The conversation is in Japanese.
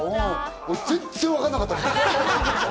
俺、全然わかんなかった。